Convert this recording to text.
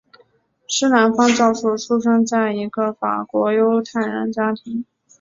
施兰芳教授出生在一个法国犹太人家庭。